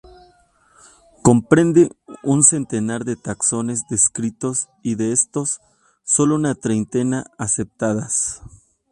Comprende un centenar de taxones descritos y de estos, solo una treintena aceptadas.